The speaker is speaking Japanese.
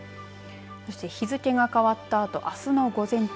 そして日付が変わったあとあすの午前中